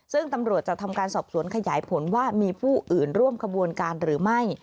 ซึ่งตำรวจจะทำการสอบสวนขยายผลว่ามีผู้อื่นร่วมขบวนการหรือไม่